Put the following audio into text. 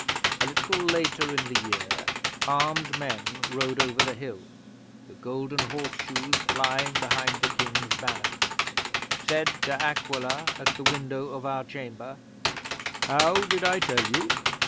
'A little later in the year, armed men rode over the hill, the Golden Horseshoes flying behind the King's banner. Said De Aquila, at the window of our chamber: "How did I tell you?